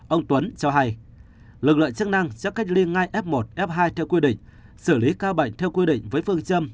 ông tuấn cho hay lực lượng chức năng sẽ cách ly ngay f một f hai theo quy định xử lý ca bệnh theo quy định với phương châm